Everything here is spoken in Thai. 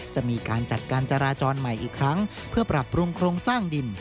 จะมีการจัดการจราจรใหม่อีกครั้งเพื่อปรับปรุงโครงสร้างดิน